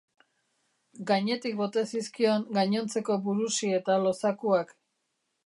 Gainetik bota zizkion gainontzeko burusi eta lo zakuak.